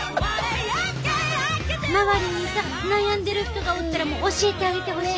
周りにさ悩んでる人がおったら教えてあげてほしいね！